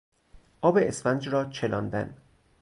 آب اسفنج را چلاندن